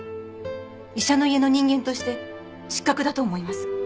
医者の家の人間として失格だと思います。